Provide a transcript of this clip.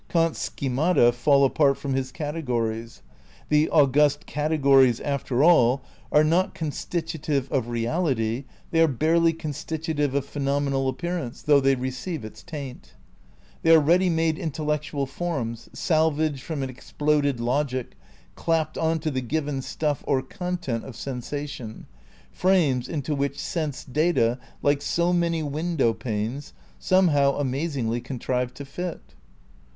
Kant's schemata fall apart from his categories. The august categories, after aU, are not I THE CEITICAL PREPARATIONS 3 constitutive of reality, they are barely constitutive of phenomenal appearance, though they receive its taint. They are ready made intellectual forms, salvage from an exploded logic, clapped on to the given stuff or con tent of sensation, frames into which sense data, like so many window panes, somehow amazingly contrive to fit.